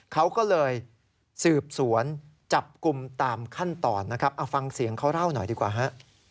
เขาก็เลยสืบสวนจับกลุ่มตามขั้นตอนนะครับเอาฟังเสียงเขาเล่าหน่อยดีกว่าฮะ